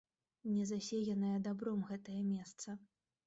Не засеянае дабром гэтае месца.